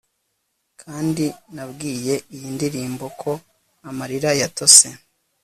kandi, nabwiye iyi ndirimbo, ko amarira yatose